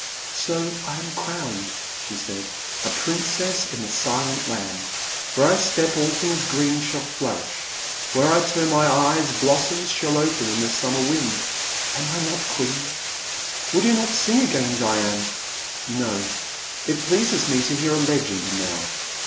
So I am crowned, she said, a princess in the Silent Land. Where I step, all things green shall flourish ; where I turn my eyes, blossoms shall open in the summer wind ;— am I not queen? Will you not sing again, Diane ?No, it pleases me to hear a legend now.